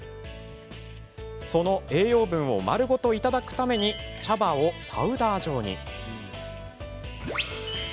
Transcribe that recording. その栄養分を丸ごといただくために茶葉をパウダー状にしました。